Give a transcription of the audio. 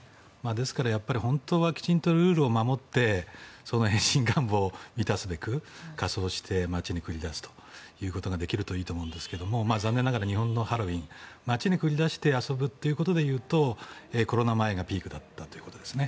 ですから、やっぱり本当はきちんとルールを守って変身願望を満たすべく仮装して街に繰り出すということができるといいと思いますが残念ながら日本のハロウィーン街に繰り出して遊ぶということで言うとコロナ前がピークだったということですね。